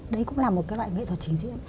đấy cũng là một cái loại nghệ thuật trình diễn